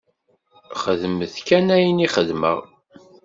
Xedmet kan ayen i xedmeɣ!